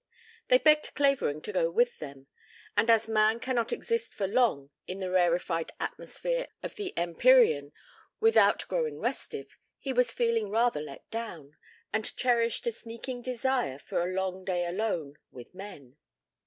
They begged Clavering to go with them, and as man cannot exist for long in the rarefied atmosphere of the empyrean without growing restive, he was feeling rather let down, and cherished a sneaking desire for a long day alone with men.